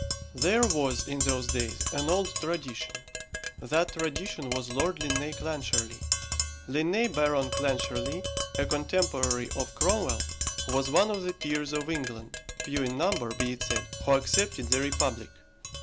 There was, in those days, an old tradition. That tradition was Lord Linnæus Clancharlie. Linnæus Baron Clancharlie, a contemporary of Cromwell, was one of the peers of England few in number, be it said who accepted the republic.